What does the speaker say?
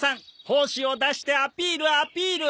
胞子を出してアピールアピール！